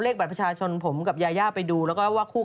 โอลี่คัมรี่ยากที่ใครจะตามทันโอลี่คัมรี่ยากที่ใครจะตามทัน